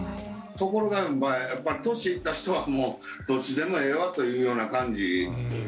ところが、やっぱり年いった人はどっちでもええわというような感じ。